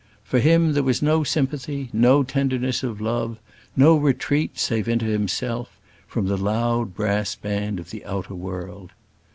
For him there was no sympathy; no tenderness of love; no retreat, save into himself, from the loud brass band of the outer world.